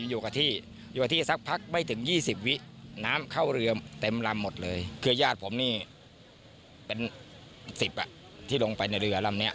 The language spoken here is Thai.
ยกที่อยู่ที่ซักพักไม่ถึงยี่สิบวิน้ำเข้าเรือเต็มรำหมดเลยคือยาดผมนี่เป็นซิบที่ลงไปในเรือ